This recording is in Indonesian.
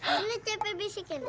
ini cepet bisikin